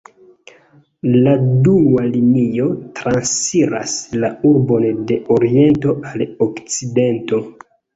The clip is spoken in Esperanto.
La dua linio transiras la urbon de oriento al okcidento.